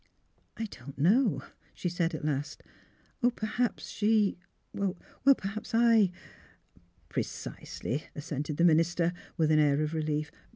*' I — don't know," she said, at last. " Perhaps, she — perhaps I "'' Precisely," assented the minister, with an air of relief.